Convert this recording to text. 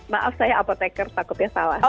maaf saya apotekar takutnya salah